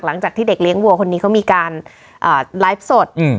หลังจากที่เด็กเลี้ยงวัวคนนี้เขามีการไลฟ์สดอืม